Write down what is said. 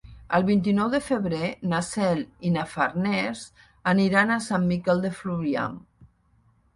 El vint-i-nou de febrer na Cel i na Farners aniran a Sant Miquel de Fluvià.